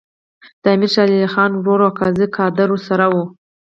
د امیر شېر علي خان ورور او قاضي قادر ورسره وو.